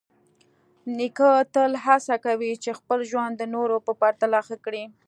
نیکه تل هڅه کوي چې خپل ژوند د نورو په پرتله ښه کړي.